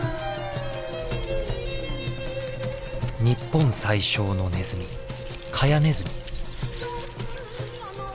日本最小のネズミカヤネズミ。